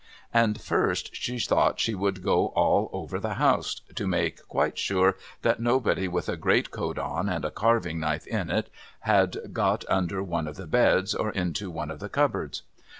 And first she thought she would go all over the house, to make quite sure that nobody with a great coat on and a carving knife in it, had got under one of the beds or into one of the cupboards.